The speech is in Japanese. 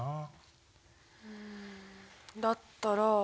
うんだったら。